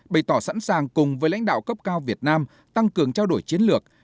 bày tỏ sẵn sàng cùng với lãnh đạo cấp cao việt nam tăng cường trao đổi chiến lược